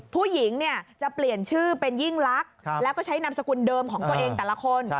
ผู้หญิงเนี่ยจะเปลี่ยนชื่อเป็นยิ่งลักษณ์แล้วก็ใช้นามสกุลเดิมของตัวเองแต่ละคน